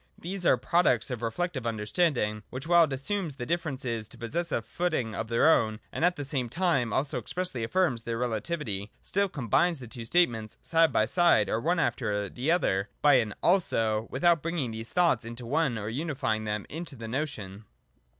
These are products of re flective understanding, which, while it assumes the differences to possess a footing of their own, and at the same time also expressly affirms their relativity, still combines the two statements, side by side, or one after the other, by an 'Also,' without bringing these thoughts into one, or unifying them into the notion.